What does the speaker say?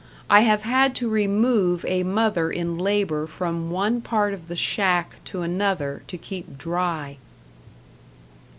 I have had to remove a mother in labor from one part of the shack to another to keep dry.